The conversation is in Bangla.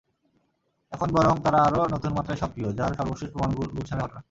এখন বরং তারা আরও নতুন মাত্রায় সক্রিয়, যার সর্বশেষ প্রমাণ গুলশানের ঘটনা।